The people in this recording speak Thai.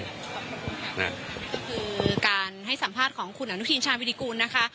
ก็คือการให้สัมภาษณ์ของคุณอาณุชีธิชาวิดิมูคุณนะคะ